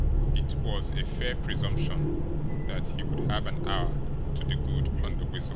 It was a fair presumption that he would have an hour to the good on the Weasel.